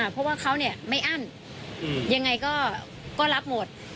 เพราะว่าเขาไม่อั้นยังไงก็รับหมด